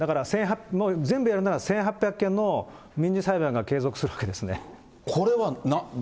別個ですね、だから全部やるなら１８００件の民事裁判が継続するわけですね。